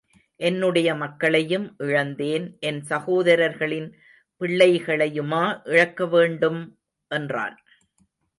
என்னுடைய மக்களையும் இழந்தேன் என் சகோதரர்களின் பிள்ளை களையுமா இழக்க வேண்டும்! என்றான்.